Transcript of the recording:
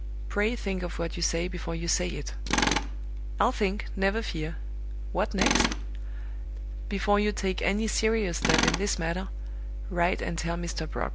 Pray think of what you say before you say it!" "I'll think, never fear! What next?" "Before you take any serious step in this matter, write and tell Mr. Brock.